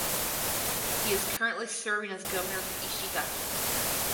He is currently serving as governor of Ishigaki.